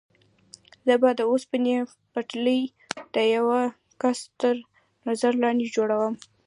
زه به د اوسپنې پټلۍ د یوه کس تر نظر لاندې جوړوم.